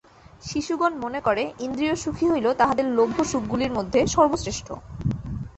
শিশুগণ মনে করে, ইন্দ্রিয়সুখই হইল তাহাদের লভ্য সুখগুলির মধ্যে সর্বশ্রেষ্ঠ।